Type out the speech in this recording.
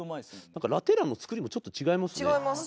なんかラテ欄の作りもちょっと違いますね。